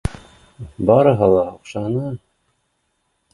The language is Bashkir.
Барыһы ла оҡшаны